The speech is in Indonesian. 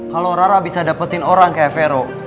kalau rara bisa dapetin orang kayak vero